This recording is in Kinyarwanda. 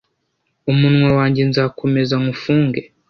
umunwa wanjye nzakomeza nywufunge